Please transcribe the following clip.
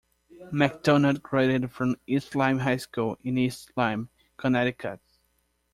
McDonald graduated from East Lyme High School in East Lyme, Connecticut.